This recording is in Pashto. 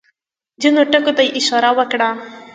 ځینو ټکو ته یې اشاره وکړه.